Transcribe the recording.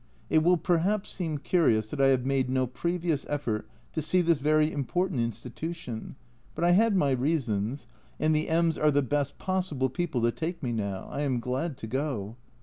It will perhaps seem curious that I have made no previous effort to see this very important Institution, but I had my reasons, and the M s are the best possible people to take me now ; I am glad to go.